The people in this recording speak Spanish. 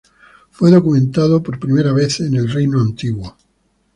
Fue documentado por primera vez en el Reino Antiguo.